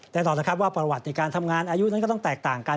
แน่นอนแล้วครับว่าประวัติในการทำงานอายุนั้นก็ต้องแตกต่างกัน